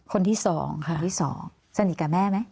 คนที่สองค่ะ